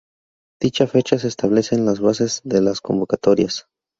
Dicha fecha se establece en las bases de las convocatorias.